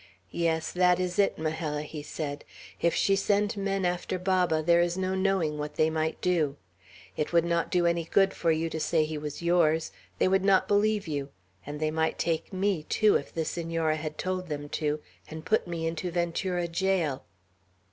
"Yes, that is it, Majella," he said. "If she sent men after Baba, there is no knowing what they might do. It would not do any good for you to say he was yours. They would not believe you; and they might take me too, if the Senora had told them to, and put me into Ventura jail."